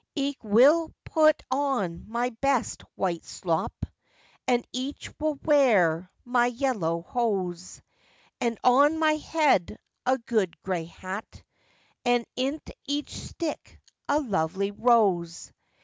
Ich will put on my best white sloppe, And Ich will weare my yellow hose; And on my head a good gray hat, And in't Ich sticke a lovely rose.